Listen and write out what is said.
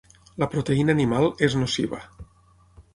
La proteïna animal és nociva.